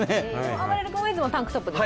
あばれる君はいつもタンクトップで。